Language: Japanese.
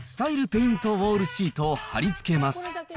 ペイントウォールシートを貼り付けます。